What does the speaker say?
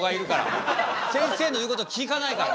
せんせいの言うこと聞かないから。